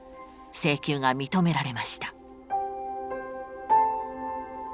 請求が認められました。